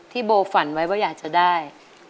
โบฝันไว้ว่าอยากจะได้